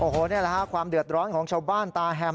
โอ้โหนี่แหละฮะความเดือดร้อนของชาวบ้านตาแฮม